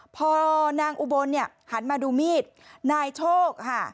พอนางอุบลเนี่ยหันมาดูมีดนายโชคค่ะ